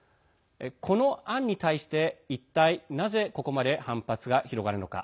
この案に対して一体なぜここまで反発が広がるのか。